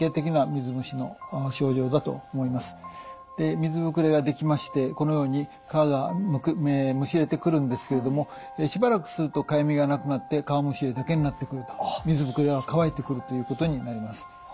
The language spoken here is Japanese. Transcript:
水膨れが出来ましてこのように皮がむしれてくるんですけれどもしばらくするとかゆみがなくなって皮むしりだけになってくると水膨れが乾いてくるということになります。